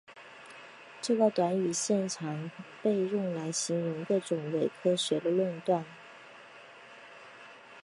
这个短语现常被用来形容各种伪科学的论断。